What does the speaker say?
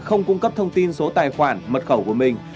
không cung cấp thông tin số tài khoản mật khẩu của mình